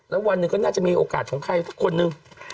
แล้ววันหนึ่งก็น่าจะมีโอกาสของใครสักคนหนึ่ง